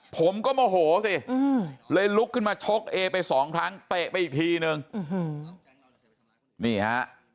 ผมก็โมโหสิเลยลุกขึ้นมาชกเอไปสองครั้งเตะไปอีกทีนึงนี่ฮะ